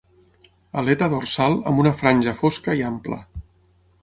Aleta dorsal amb una franja fosca i ampla.